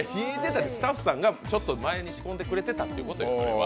スタッフさんがちょっと前に仕込んでくれてたってことよ。